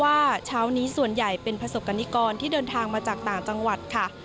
เช้านี้ส่วนใหญ่เป็นประสบกรณิกรที่เดินทางมาจากต่างจังหวัดค่ะ